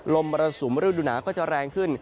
มรสุมฤดูหนาวก็จะแรงขึ้น